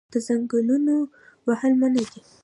د ځنګلونو وهل منع دي